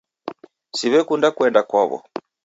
Siw'ekunda kuenda kwaw'o.